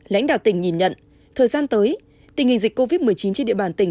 lãnh đạo tỉnh nhìn nhận thời gian tới tình hình dịch covid một mươi chín trên địa bàn tỉnh